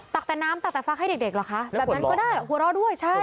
แต่น้ำตักแต่ฟักให้เด็กเหรอคะแบบนั้นก็ได้เหรอหัวเราะด้วยใช่